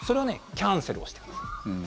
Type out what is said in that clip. キャンセルをしてください。